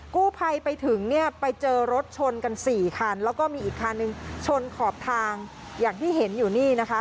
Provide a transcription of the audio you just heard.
กู้ภัยไปถึงเนี่ยไปเจอรถชนกันสี่คันแล้วก็มีอีกคันหนึ่งชนขอบทางอย่างที่เห็นอยู่นี่นะคะ